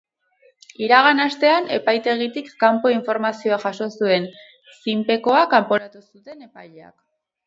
Iragan astean, epaitegitik kanpo informazioa jaso zuen zinpekoa kanporatu zuen epaileak.